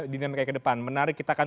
dinamikai kedepan menarik kita akan